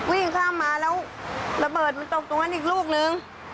วิ่งข้ามมาแล้วระเบิดมันตกตรงนั้นอีกลูกนึง